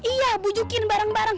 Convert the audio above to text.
iya bujukin bareng bareng